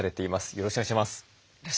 よろしくお願いします。